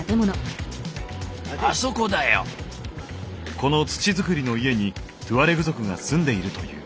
この土づくりの家にトゥアレグ族が住んでいるという。